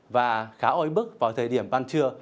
và khá ói bức vào thời điểm ban trưa